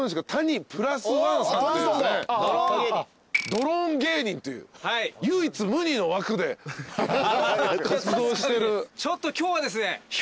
ドローン芸人という唯一無二の枠で活動してる。